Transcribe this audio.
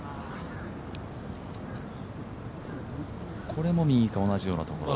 これも右、同じようなところ。